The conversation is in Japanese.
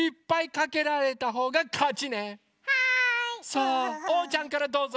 さあおうちゃんからどうぞ！